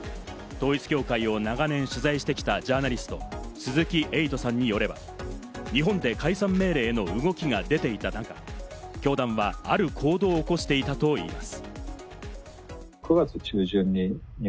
統一教会を長年取材してきたジャーナリスト・鈴木エイトさんによれば、日本で解散命令への動きが出ていた中、教団はある行動を起こしていたといいます。